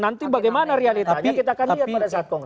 nanti bagaimana realitanya kita akan lihat pada saat kongres